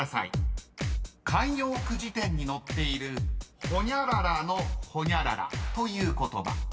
［慣用句辞典に載っている「ホニャララのホニャララ」という言葉］